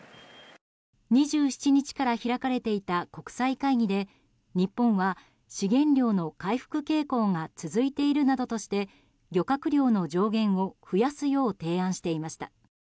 ２７日から開かれていた国際会議で日本は資源量の回復傾向が続いているなどとして漁獲量の上限を増やすよう提案していました。